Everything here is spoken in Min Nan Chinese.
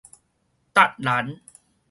罩蘭